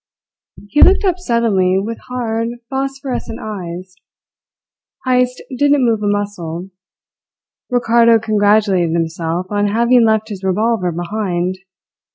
He looked up suddenly with hard, phosphorescent eyes. Heyst didn't move a muscle. Ricardo congratulated himself on having left his revolver behind.